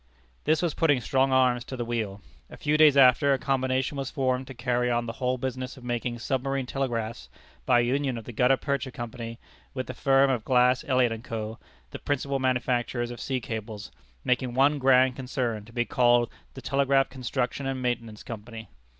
This was putting strong arms to the wheel. A few days after, a combination was formed to carry on the whole business of making Submarine Telegraphs, by a union of the Gutta Percha Company with the firm of Glass, Elliot & Co., the principal manufacturers of sea cables, making one grand concern, to be called The Telegraph Construction and Maintenance Company.